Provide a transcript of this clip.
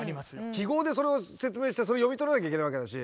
記号でそれを説明してそれ読み取らなきゃいけないわけだし。